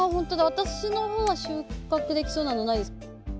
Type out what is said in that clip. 私の方は収穫できそうなのないです。